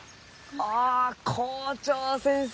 ああ校長先生！